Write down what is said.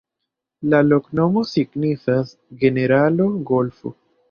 La loknomo signifas: generalo-golfo.